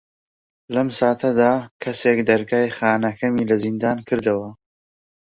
لەم ساتەدا کەسێک دەرگای خانەکەمی لە زیندان کردەوە.